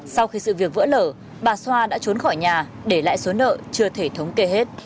sau khi sự việc vỡ lở bà xoa đã trốn khỏi nhà để lại số nợ chưa thể thống kê hết